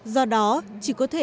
do đó chỉ có thể